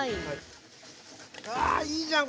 あいいじゃん。